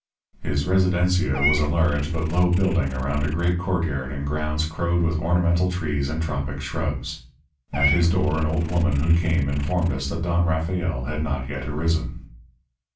"His residencia was a large but low building around a great courtyard in grounds crowed with ornamental trees and tropic shrubs. At his door an old woman who came informed us that Don Rafael had not yet arisen.